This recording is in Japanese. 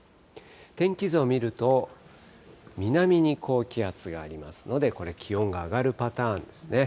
天気図を見ると、南に高気圧がありますので、これ、気温が上がるパターンですね。